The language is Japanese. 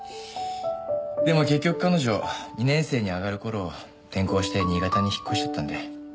でも結局彼女２年生に上がる頃転校して新潟に引っ越しちゃったんで。